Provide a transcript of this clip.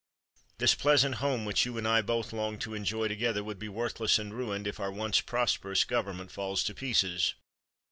This pleasant home which you and I both long to enjoy together would be worthless and ruined, if our once prosperous Government falls to pieces.